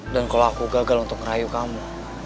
dan kalau aku gagal untuk ngerayu kamu